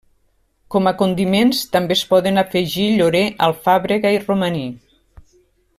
Com a condiments també es poden afegir llorer, alfàbrega i romaní.